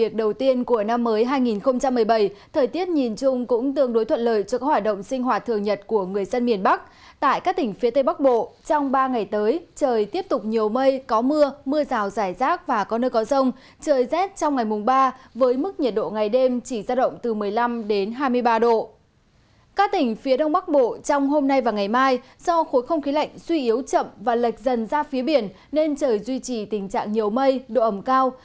các tỉnh phía đông bắc bộ trong hôm nay và ngày mai do khối không khí lạnh suy yếu chậm và lệch dần ra phía biển nên trời duy trì tình trạng nhiều mây độ ẩm cao